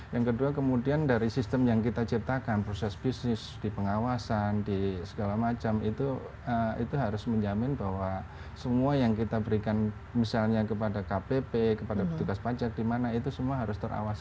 yang kedua kemudian dari sistem yang kita ciptakan proses bisnis di pengawasan di segala macam itu harus menjamin bahwa semua yang kita berikan misalnya kepada kpp kepada petugas pajak di mana itu semua harus terawasi